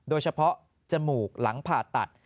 โดยเฉพาะจมูกหลังผ่าตัด